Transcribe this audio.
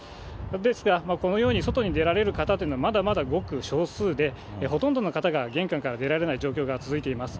ですが、このように外に出られる方というのはまだまだごく少数で、ほとんどの方が玄関から出られない状況が続いています。